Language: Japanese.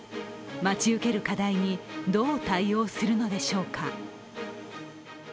待ち受ける課題に、どう対応するのでしょうか。